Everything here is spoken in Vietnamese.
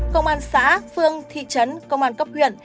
công an xã phương thị trấn công an cấp huyện